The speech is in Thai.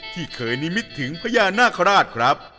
ที่เคยนิมิตถึงพญานาคาราชครับ